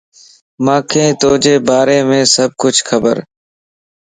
مانکَ توجي باريم سڀ کڇ خبرَ